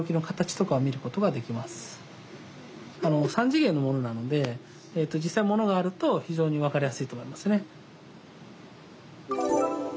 ３次元のものなので実際ものがあると非常に分かりやすいと思いますね。